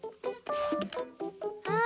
あ